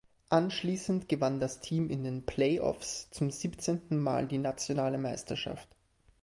Anschließend gewann das Team in den Playoffs zum siebzehnten Mal die nationale Meisterschaft.